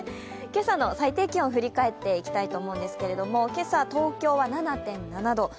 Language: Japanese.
けさの最低気温を振り返っていきたいと思うんですが今朝、東京は７．７度。